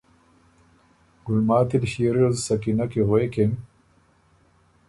ګلماتی ل ݭيې ریوز سکینه کی غوېکِن۔